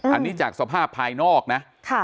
อันนี้จากสภาพภายนอกนะ